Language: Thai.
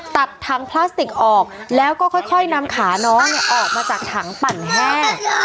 ตัดถังพลาสติกออกแล้วก็ค่อยนำขาน้องเนี่ยออกมาจากถังปั่นแห้ง